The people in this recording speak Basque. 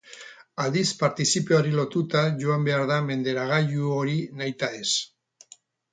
Aditz-partizipioari lotuta joan behar da menderagailu hori nahitaez.